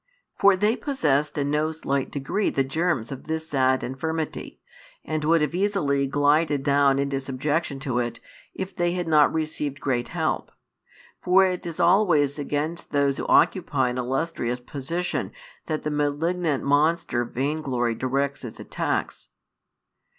For they possessed in no slight degree the germs of this sad infirmity, and would have easily glided down into subjection to it, if they had not received great help. For it is always against those who occupy an illustrious position that the malignant monster vainglory directs its attacks.